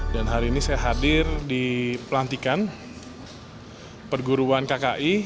dan hari ini saya hadir di pelantikan perguruan kki